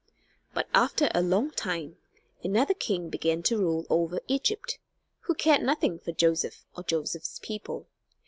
But after a long time another king began to rule over Egypt, who cared nothing for Joseph or Joseph's people.